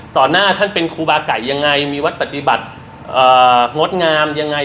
หน้าท่านเป็นครูบาไก่ยังไงมีวัดปฏิบัติงดงามยังไง